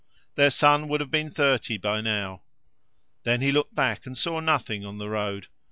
Their son would have been thirty by now. Then he looked back and saw nothing on the road.